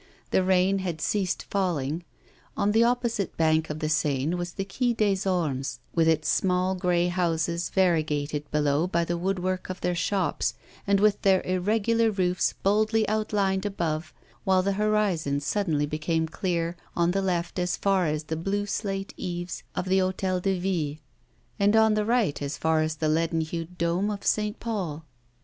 The rain had ceased falling. On the opposite bank of the Seine was the Quai des Ormes, with its small grey houses variegated below by the woodwork of their shops and with their irregular roofs boldly outlined above, while the horizon suddenly became clear on the left as far as the blue slate eaves of the Hôtel de Ville, and on the right as far as the leaden hued dome of St. Paul.